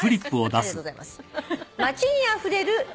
ありがとうございます。